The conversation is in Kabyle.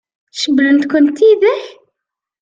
Cewwlent-ken tidak?